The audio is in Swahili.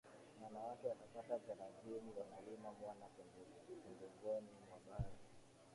Wanawake wapatao thelathini wanalima mwani pembezoni mwa bahari